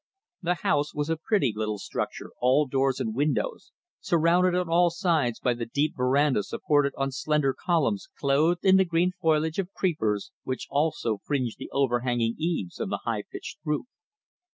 The house was a pretty little structure all doors and windows, surrounded on all sides by the deep verandah supported on slender columns clothed in the green foliage of creepers, which also fringed the overhanging eaves of the high pitched roof.